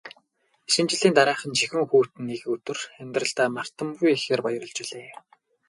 Шинэ жилийн дараахан жихүүн хүйтэн нэг өдөр амьдралдаа мартамгүй ихээр баярлаж билээ.